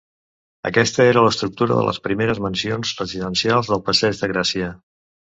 Aquesta era l'estructura de les primeres mansions residencials del passeig de Gràcia.